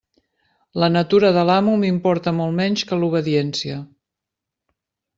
La natura de l'amo m'importa molt menys que l'obediència.